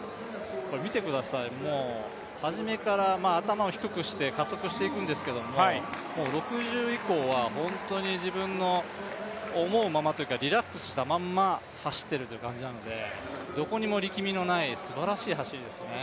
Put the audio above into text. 見てください、はじめから頭を低くして加速していくんですけどももう６０以降は本当に自分の思うままというかリラックスしたまま走っているという感じなのでどこにも力みのないすばらしい走りですね。